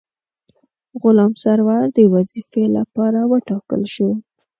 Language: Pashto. غلام سرور د وظیفې لپاره وټاکل شو.